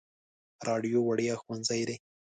راډیو وړیا ښوونځی دی.